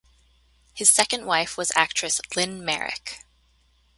His second wife was actress Lynn Merrick.